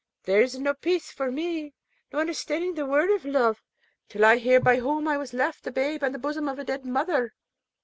There 's no peace for me, nor understanding the word of love, till I hear by whom I was left a babe on the bosom of a dead mother.'